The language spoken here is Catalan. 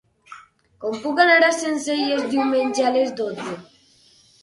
Com puc anar a Sencelles diumenge a les dotze?